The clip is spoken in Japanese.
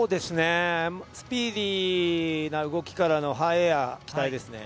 スピーディーな動きからのハイエア、期待ですね。